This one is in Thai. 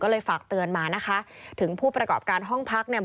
ก็เลยฝากเตือนมานะคะถึงผู้ประกอบการห้องพักเนี่ย